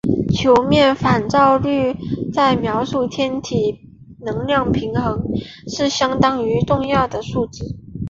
球面反照率在描述天体能量平衡上是相当重要的数值。